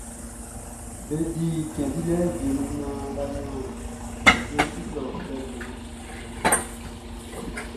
Be di cɛn dilɛ wie mun naan bʼa yra ninnge nga be kpɛli be uflɛuflɛʼn be su.